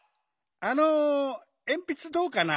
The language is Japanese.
あのえんぴつどうかな？